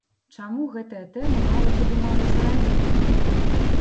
Чаму гэтая тэма мала падымалася раней?